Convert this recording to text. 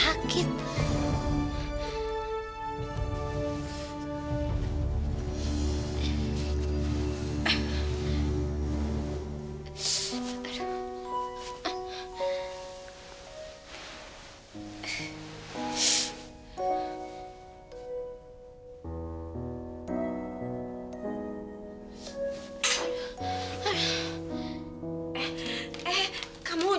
tante aku gak mau